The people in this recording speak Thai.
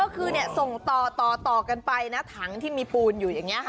ก็คือส่งต่อกันไปนะถังที่มีปูนอยู่อย่างนี้ค่ะ